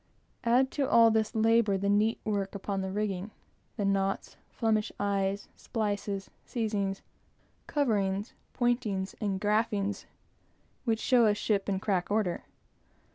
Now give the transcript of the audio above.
Add to all this labor, the neat work upon the rigging; the knots, flemish eyes, splices, seizings, coverings, pointings, and graftings, which show a ship in crack order.